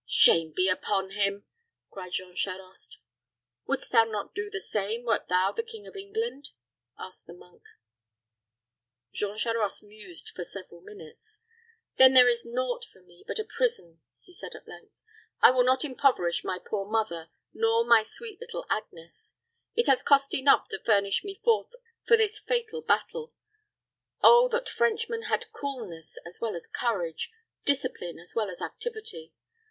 "Shame be upon him," cried Jean Charost. "Wouldst thou not do the same wert thou the King of England?" asked the monk. Jean Charost mused for several minutes. "Then there is naught for me but a prison," he said, at length. "I will not impoverish my poor mother, nor my sweet little Agnes. It has cost enough to furnish me forth for this fatal battle. Oh, that Frenchmen had coolness as well as courage, discipline as well as activity!